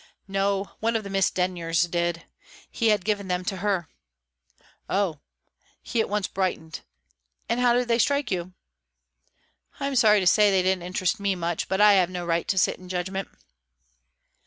"No; one of the Miss Denyers did. He had given them to her." "Oh!" He at once brightened. "And how did they strike you?" "I'm sorry to say they didn't interest me much. But I have no right to sit in judgment."